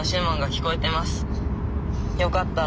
よかった。